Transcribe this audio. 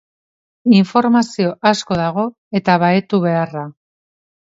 Informazio asko dago eta bahetu beharra.